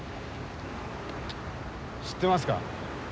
知ってますか？